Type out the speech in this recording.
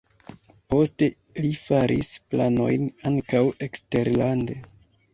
Poste li faris planojn ankaŭ eksterlande.